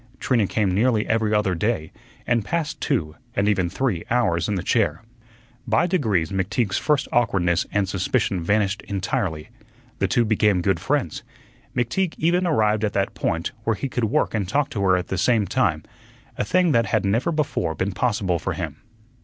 Trina came nearly every other day, and passed two, and even three, hours in the chair. By degrees McTeague's first awkwardness and suspicion vanished entirely. The two became good friends. McTeague even arrived at that point where he could work and talk to her at the same time a thing that had never before been possible for him.